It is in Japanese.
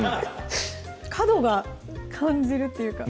角が感じるっていうか